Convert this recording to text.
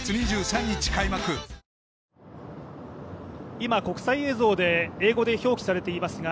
今、国際映像で英語で表示されていますが